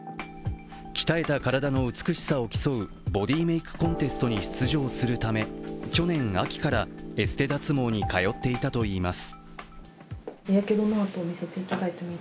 鍛えた体の美しさを競うボディメイクコンテストに出場するため、去年秋からエステ脱毛に通っていたといいます。